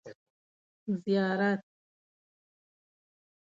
زیارت